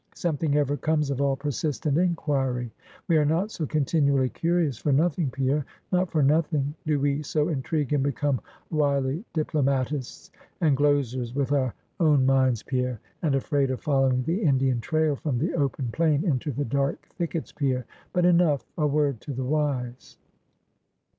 Something ever comes of all persistent inquiry; we are not so continually curious for nothing, Pierre; not for nothing, do we so intrigue and become wily diplomatists, and glozers with our own minds, Pierre; and afraid of following the Indian trail from the open plain into the dark thickets, Pierre; but enough; a word to the wise.